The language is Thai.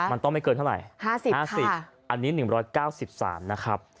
มันต้องไม่เกินเท่าไหร่๕๐๕๐อันนี้๑๙๓นะครับ